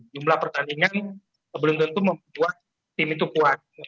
jumlah pertandingan belum tentu membuat tim itu kuat